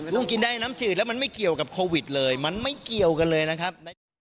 ต้องกินได้น้ำจืดแล้วมันไม่เกี่ยวกับโควิดเลยมันไม่เกี่ยวกันเลยนะครับ